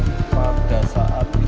di jalan b sahabat